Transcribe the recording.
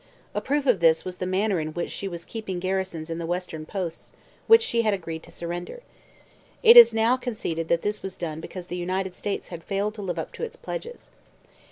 A proof of this was the manner in which she was keeping garrisons in the western posts which she had agreed to surrender. It is now conceded that this was done because the United States had failed to live up to its pledges.